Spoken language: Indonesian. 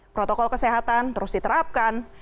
protokol kesehatan terus diterapkan